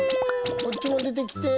こっちも出てきて。